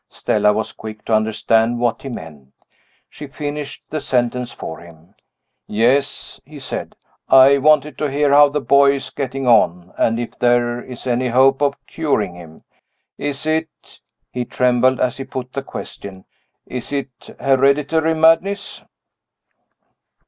Stella was quick to understand what he meant. She finished the sentence for him. "Yes," he said, "I wanted to hear how the boy is getting on, and if there is any hope of curing him. Is it " he trembled as he put the question "Is it hereditary madness?"